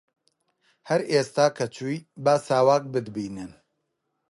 هەر ئێستا کە چووی با ساواک بتبینن